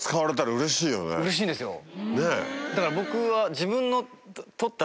うれしいですよだから僕は。